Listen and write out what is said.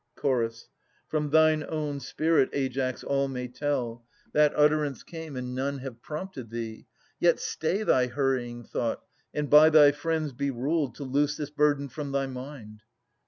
Ch. From thine own spirit, Aias, all may tell, That utterance came, and none have prompted thee. Yet stay thy hurrying thought, and by thy friends Be ruled to loose this burden from thy mind.